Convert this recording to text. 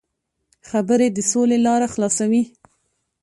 خبرې د سولې لاره خلاصوي.